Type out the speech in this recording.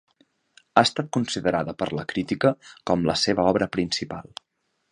Ha estat considerada per la crítica com la seva obra principal.